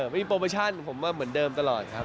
มีโปรโมชั่นผมว่าเหมือนเดิมตลอดครับ